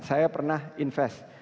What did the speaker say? saya pernah investasi